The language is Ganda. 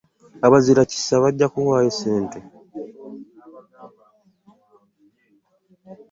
Abazirakisa bajja kuwaayo ssente.